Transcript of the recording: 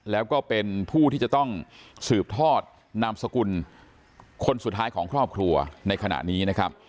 แล้วก็เป็นผู้ที่จะต้องสืบทอดนามสกุลคนสุดท้ายของครอบครัวในขณะนี้นะครับ